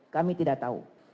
kami tidak tahu